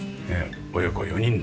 親子４人で。